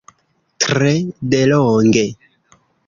Tre delonge.